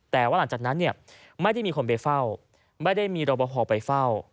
แต่ว่าหลังจากนั้นเนี่ยไม่ได้มีคนไปเฝ้าไม่ได้มีรอปภไปเฝ้า